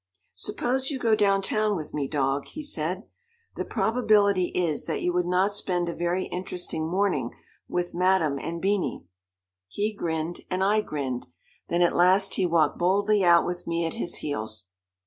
"Suppose you go down town with me, dog," he said. "The probability is that you would not spend a very interesting morning with Madame and Beanie." He grinned and I grinned, then at last he walked boldly out with me at his heels.